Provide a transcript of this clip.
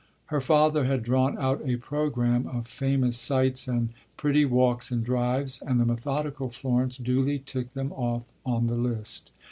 Her father had drawn out a programme of famous sights and pretty walks and drives; and the methodical Florence duly ticked them off on the list.